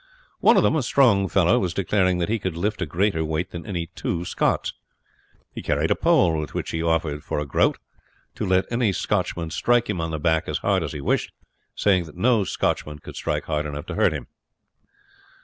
One of them, a strong fellow, was declaring that he could lift a greater weight than any two Scots. He carried a pole, with which he offered, for a groat, to let any Scotchman strike him on the back as hard as he pleased, saying that no Scotchman could strike hard enough to hurt him.